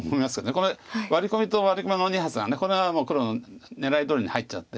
これワリコミとワリコミの２発がこれは黒の狙いどおりに入っちゃって。